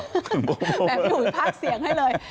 แบบผิวหูภาคเสียงให้เลย